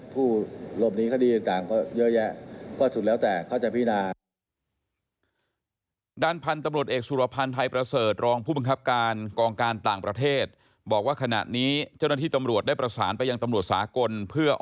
ผู้ลมหนีคดีการณ์ก็เยอะแยะ